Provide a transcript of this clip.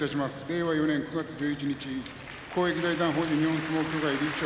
令和４年９月１１日公益財団法人日本相撲協会理事長